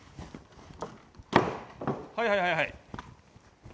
はいはいはいはい。